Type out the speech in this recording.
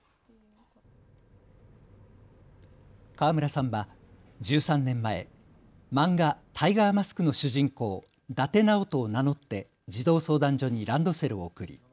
河村さんは１３年前、漫画タイガーマスクの主人公、伊達直人を名乗って児童相談所にランドセルを贈り